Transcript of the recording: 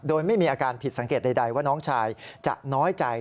โดยไม่มีอาการผิดสังเกตใดว่าน้องชายจะน้อยใจ